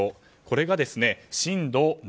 これが震度７。